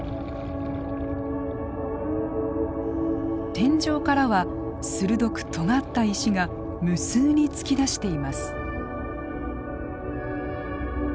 天井からは鋭くとがった石が無数に突き出しています。